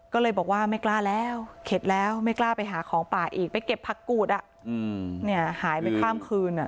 ก็เลยบอกว่าไม่กล้าแล้วเข็ดแล้วไม่กล้าไปหาของป่าอีกไปเก็บผักกูดหายไปข้ามคืน